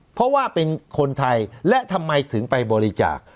เพราะว่าเป็นคนไทยและทำไมถึงไปบริจาค